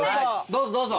どうぞどうぞ。